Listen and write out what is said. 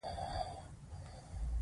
د ولیعهد په حیث وپېژني.